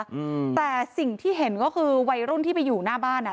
อืมแต่สิ่งที่เห็นก็คือวัยรุ่นที่ไปอยู่หน้าบ้านอ่ะ